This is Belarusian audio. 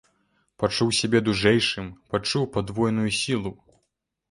Пачуў сябе дужэйшым, пачуў падвойную сілу.